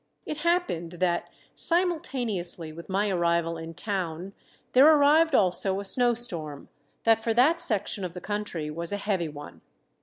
It happened that simultaneously with my arrival in town there arrived also a snowstorm that for that section of the country was a heavy one.